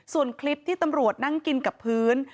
ส่วนคลิปที่ตำรวจนั่งกินกับพื้น